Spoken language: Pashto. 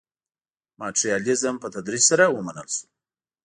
ماټریالیزم په تدریج سره ومنل شو.